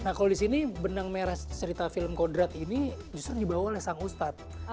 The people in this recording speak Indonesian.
nah kalau di sini benang merah cerita film kodrat ini justru dibawa oleh sang ustadz